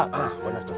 hah bener tuh